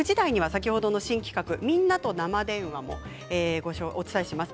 新企画「みんなと生電話」もお伝えします。